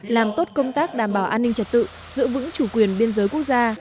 làm tốt công tác đảm bảo an ninh trật tự giữ vững chủ quyền biên giới quốc gia